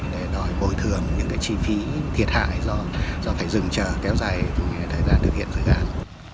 để đòi bồi thường những cái chi phí thiệt hại do phải dừng chờ kéo dài thời gian thực hiện dự án